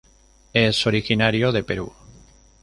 Es originario de Perú.